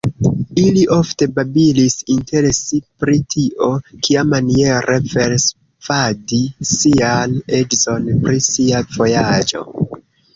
Ili ofte babilis inter si pri tio, kiamaniere persvadi sian edzon pri sia vojaĝo.